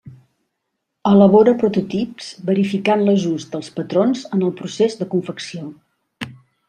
Elabora prototips verificant l'ajust dels patrons en el procés de confecció.